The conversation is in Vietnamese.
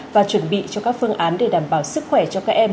và chuẩn bị cho các phương án để đảm bảo sức khỏe cho các em